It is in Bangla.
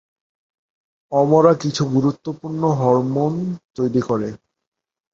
অমরা কিছু গুরুত্বপূর্ণ হরমোন তৈরি করে।